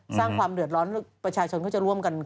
สร้างความเดือดร้อนประชาชนก็จะร่วมกัน